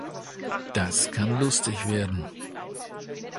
Das kann lustig werden.